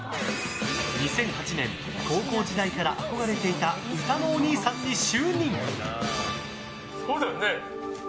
２００８年、高校時代から憧れていた歌のおにいさんに就任。